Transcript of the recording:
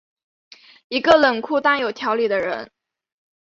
一个冷酷但有条理的人。